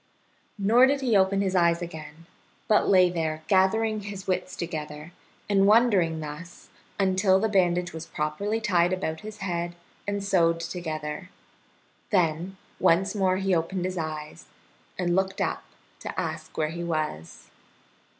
Nor did he open his eyes again, but lay there gathering his wits together and wondering thus until the bandage was properly tied about his head and sewed together. Then once more he opened his eyes, and looked up to ask where he was.